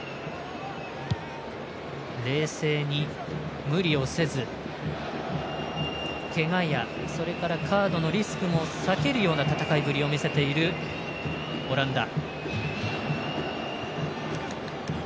冷静に無理をせず、けがやそれからカードのリスクも避けるような戦いぶりを見せているオランダ。